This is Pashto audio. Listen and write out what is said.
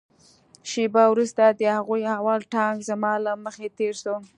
شېبه وروسته د هغوى اول ټانک زما له مخې تېر سو.